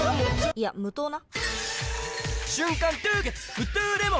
いや無糖な！